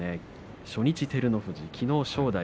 初日、照ノ富士きのうは正代。